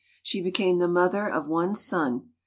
She became the mother of one son.